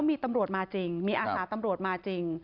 มีอังสารตำรวจมาจริง